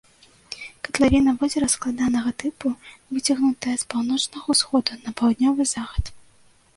Катлавіна возера складанага тыпу, выцягнутая з паўночнага ўсходу на паўднёвы захад.